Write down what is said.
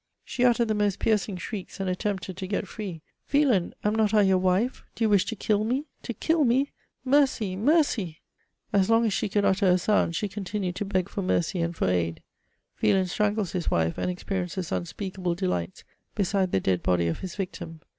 She uttered the most piercing shrieks, and attempted to get free :—' Wieland, am not I your wife ? do you wi^ to kill me ?— to kill me ?— mercy ! mercy !' As long as she could utter a sound, she continued to beg for mercy and for aid." Wieland strangles hb wife, and experiences unspeakable delights beside the dead body of his victim.